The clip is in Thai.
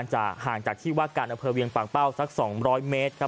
ห่างจากที่ว่าการอำเภอเวียงปากเป้าสัก๒๐๐เมตร